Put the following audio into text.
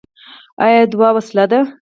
آیا دعا وسله ده؟